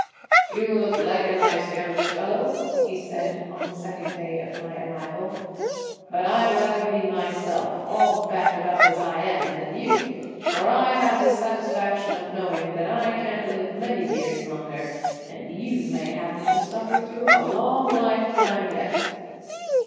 "You look like a nice young fellow," he said on the second day of my arrival; "but I'd rather be myself, all battered up as I am, than you, for I have the satisfaction of knowing that I can't live many years longer and you may happen to suffer through a long lifetime yet."